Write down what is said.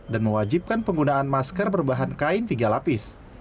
dan mewajibkan penggunaan masker berbahan kain tiga lapis